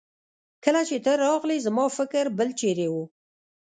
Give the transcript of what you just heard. کله چې ته راغلې زما فکر بل چيرې وه.